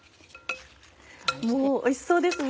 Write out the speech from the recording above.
おいしそうですね。